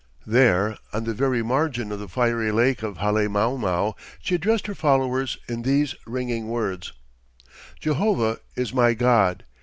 There, on the very margin of the fiery lake of Halemaumau, she addressed her followers in these ringing words: "Jehovah is my God.